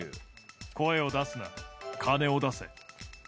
声を出すな、金を出せ。